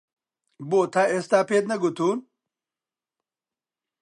بۆ تا ئێستا پێت نەگوتوون؟